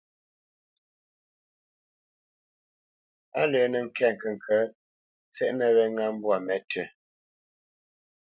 A lǎ nə̄ ŋkɛ̂t ŋkəŋkə̌t, tsɛʼnə wɛ́ ŋá mbwǎ mə.